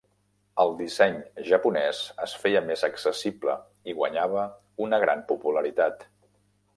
El disseny Japonès es feia més accessible i guanyava una gran popularitat.